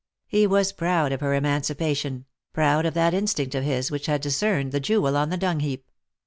He was proud of her emanci pation, proud of that instinct of his which had discerned the jewel on the dungheap.